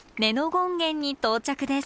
権現に到着です。